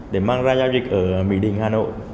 để mang ra giao dịch ở mỹ đình hà nội